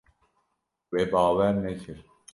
We bawer nekir.